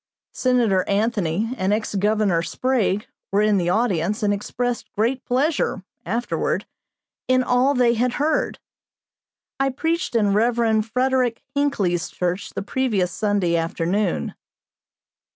Senator Anthony and ex Governor Sprague were in the audience and expressed great pleasure, afterward, in all they had heard. I preached in Rev. Frederick Hinckley's church the previous Sunday afternoon.